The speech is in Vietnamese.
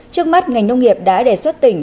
trước mắt ngành nông nghiệp đã đề xuất tỉnh